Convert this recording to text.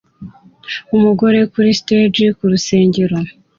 Umugore kuri stage kurusengero